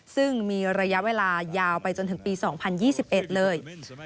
ซึ่งมีระยะเวลายาวไปจนถึงปี๒๐๒๑เลย